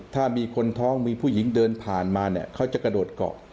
ถ้ามีคนท้องมีผู้หญิงเดินผ่านมาเนี่ยเขาจะกระโดดเกาะ